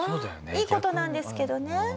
いい事なんですけどね。